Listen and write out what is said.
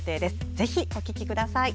ぜひ、お聴きください。